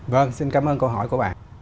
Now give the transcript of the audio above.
vâng xin cảm ơn câu hỏi của bạn